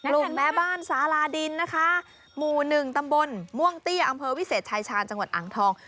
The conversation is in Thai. แม่บ้านสาลาดินนะคะหมู่๑ตำบลม่วงเตี้ยอำเภอวิเศษชายชาญจังหวัดอ่างทอง